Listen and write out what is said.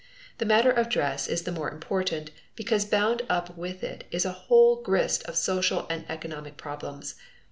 The matter of dress is the more important, because bound up with it is a whole grist of social and economic problems.